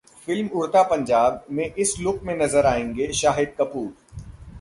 film 'Udta Punjab' में इस look में नजर आएंगे शाहिद कपूर